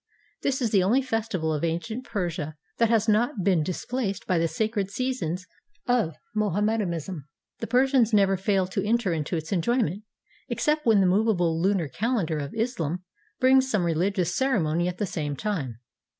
This is the only festival of ancient Persia that has not been displaced by the sacred seasons of Moham medanism. The Persians never fail to enter into its enjoyment, except when the movable lunar calendar of Islam brings some reHgious ceremony at the same time.